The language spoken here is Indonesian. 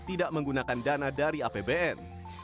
tidak menggunakan dana dari apbn